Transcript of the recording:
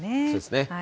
そうですね。